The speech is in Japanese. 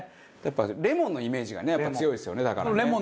やっぱりレモンのイメージがね強いですよねだからね。